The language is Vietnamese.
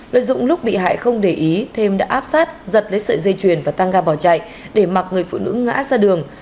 lợi dụng lúc bị hại không để ý thêm đã áp sát giật lấy sợi dây chuyền và tăng ga bỏ chạy để mặc người phụ nữ ngã ra đường